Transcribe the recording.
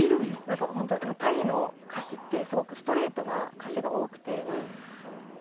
タイの歌詞ってすごくストレートな歌詞が多くて。